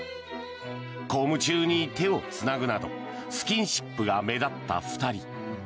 公務中に手をつなぐなどスキンシップが目立った２人。